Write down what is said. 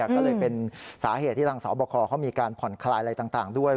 ก็เลยเป็นสาเหตุที่ทางสอบคอเขามีการผ่อนคลายอะไรต่างด้วย